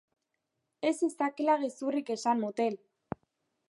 Ez ezakela gezurrik esan, motel!